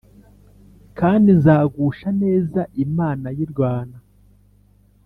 kandi nzagusha neza imana yirwana